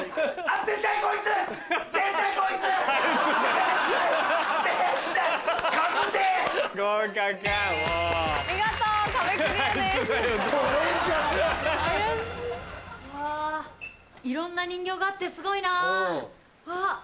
・あいろんな人形があってすごいなぁ・あっ！